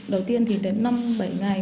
đầu tiên thì đến năm bảy ngày